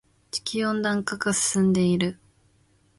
地球温暖化が進んでいる。